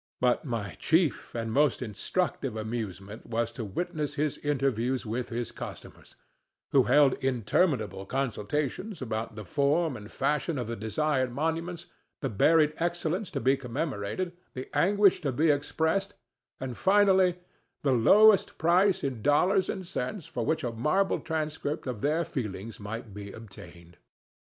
But my chief and most instructive amusement was to witness his interviews with his customers, who held interminable consultations about the form and fashion of the desired monuments, the buried excellence to be commemorated, the anguish to be expressed, and finally the lowest price in dollars and cents for which a marble transcript of their feelings might be obtained.